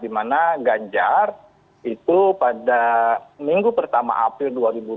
di mana ganjar itu pada minggu pertama april dua ribu dua puluh